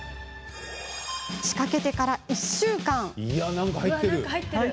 仕掛けてから１週間。